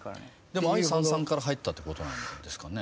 でも「愛燦燦」から入ったって事なんですかね？